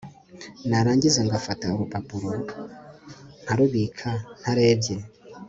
narangiza ngafata urupapuro nkarubika ntarebye